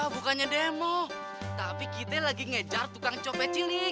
bukannya demo tapi kita lagi ngejar tukang copet cilik